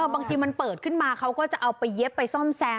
บางทีมันเปิดขึ้นมาเขาก็จะเอาไปเย็บไปซ่อมแซม